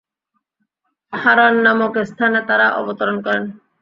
হারান নামক স্থানে তারা অবতরণ করেন।